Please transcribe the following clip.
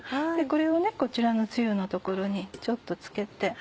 これをこちらのつゆの所にちょっとつけて。